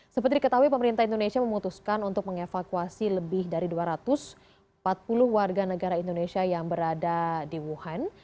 seperti diketahui pemerintah indonesia memutuskan untuk mengevakuasi lebih dari dua ratus empat puluh warga negara indonesia yang berada di wuhan